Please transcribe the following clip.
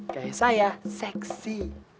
kayak saya seksi